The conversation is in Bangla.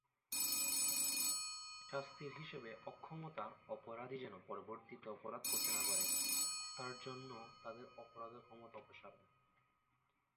শাস্তির হিসাবে অক্ষমতা অপরাধী যেন পরবর্তীতে অপরাধ করতে না পারে তার জন্য তাদের অপরাধের ক্ষমতা অপসারণ।